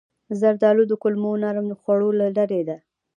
زردالو د کولمو نرم خوړو له ډلې ده.